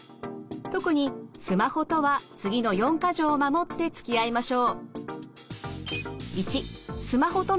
特にスマホとは次の四か条を守ってつきあいましょう。